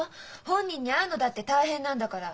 本人に会うのだって大変なんだから。